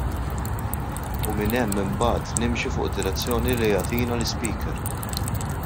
U minn hemm imbagħad nimxi fuq id-direzzjoni li jagħtina l-iSpeaker.